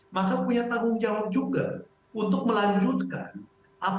maka punya tanggung jawab juga untuk melanjutkan apa apa yang dilakukan oleh pak jokowi